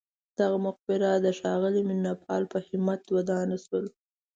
دغه مقبره د ښاغلي مینه پال په همت ودانه شوه.